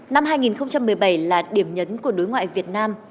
năm hai nghìn một mươi bảy là điểm nhấn của đối ngoại việt nam